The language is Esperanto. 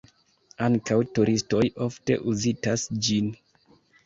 Ankaŭ turistoj ofte vizitas ĝin.